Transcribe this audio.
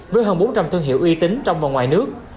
với hơn bốn trăm linh thương hiệu uy tín trong và ngoài nước